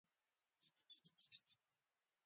تعجیل هغه وخت رامنځته کېږي چې سرعت بدل شي.